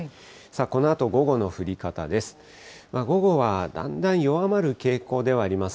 このあと午後の降り方です。